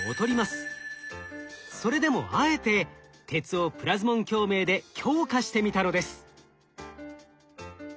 それでもあえて鉄をプラズモン共鳴で強化してみたのです。